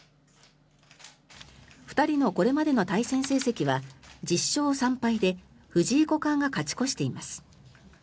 ２人のこれまでの対戦成績は１０勝３敗で藤井五冠が勝ち越しています。